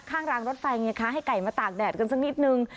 รางรถไฟไงคะให้ไก่มาตากแดดกันสักนิดนึง